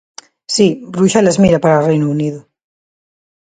Si, Bruxelas mira para Reino Unido.